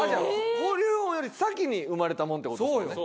保留音より先に生まれたものって事ですよね。